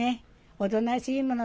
おとなしいもの。